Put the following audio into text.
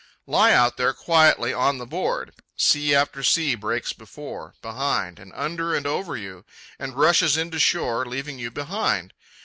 Lie out there quietly on the board. Sea after sea breaks before, behind, and under and over you, and rushes in to shore, leaving you behind.